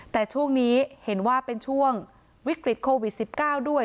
แต่ช่วงนี้เห็นว่าเป็นช่วงวิกฤตโควิด๑๙ด้วย